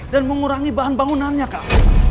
mengurangi bahan bangunannya kak